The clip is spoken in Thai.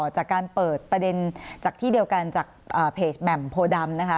จากการเปิดประเด็นจากที่เดียวกันจากเพจแหม่มโพดำนะคะ